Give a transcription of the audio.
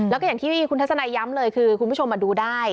แล้วก็อย่างที่คุณทัศนายย้ำเลยคือคุณผู้ชมมาดูได้